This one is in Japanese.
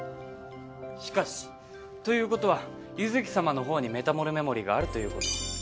しかしということはユヅキ様のほうにメタモルメモリーがあるということ。